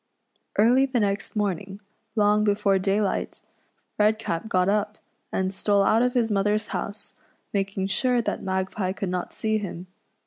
Early the next morning, long before daylight, Red cap got up, and stole out of his mother's house, making sure that Magpie could not see him.